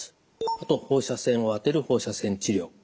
あと放射線を当てる放射線治療。